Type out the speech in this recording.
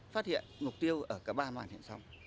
phát hiện mục tiêu ở cả ba màn hiện xong